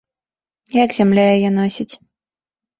Як зямля яе носіць?